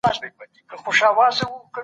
دغه کوچنی دونه ښه دی چي هر څوک یې خوښوی.